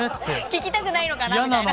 聴きたくないのかなみたいな。